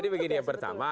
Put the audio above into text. jadi begini yang pertama